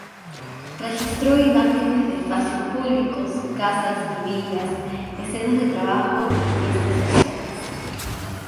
Registró imágenes de espacios públicos, casas y villas, escenas de trabajo y fiestas sociales.